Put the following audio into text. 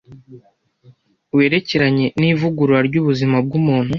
werekeranye n’ivugurura ry’ubuzima bw’ umuntu